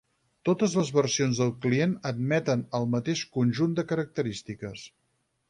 Totes les versions del client admeten el mateix conjunt de característiques.